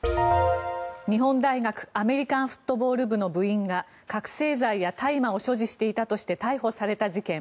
日本大学アメリカンフットボール部の部員が覚醒剤や大麻を所持していたとして逮捕された事件。